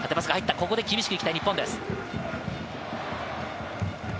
ここで厳しくいきたい日本です。